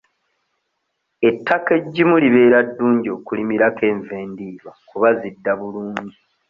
Ettaka eggimu libeera ddungi okulimirako enva endiirwa kuba zidda bulungi.